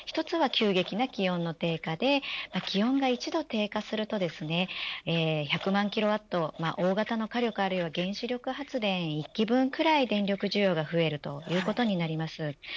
１つは急激な気温の低下で気温が１度低下すると１００万キロワット大型の火力あるいは原子力発電１基分くらい電力需要が増えるということになります。